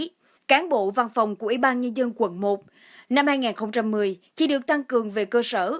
các cán bộ văn phòng của ủy ban nhân dân quận một năm hai nghìn một mươi chỉ được tăng cường về cơ sở